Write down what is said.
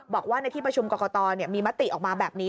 บอกว่าในที่ประชุมกรกตมีมติออกมาแบบนี้